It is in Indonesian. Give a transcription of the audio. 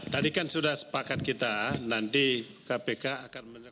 tadi kan sudah sepakat kita nanti kpk akan menjelaskan